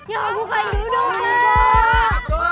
yaa gak bukain duduk be